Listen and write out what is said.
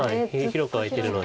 広く空いてるので。